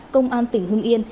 công an tỉnh hưng yên